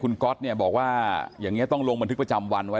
คุณก๊อตเนี่ยบอกว่าอย่างนี้ต้องลงบันทึกประจำวันไว้